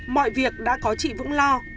mọi việc đã có chị vững lo